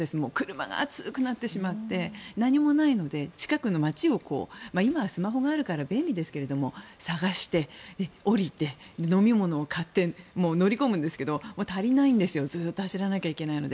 車が熱くなってしまって何もないので近くの街を今はスマホがあるから便利ですけれども探して降りて飲み物を買って乗り込むんですが足りないんですよずっと走らなきゃいけないので。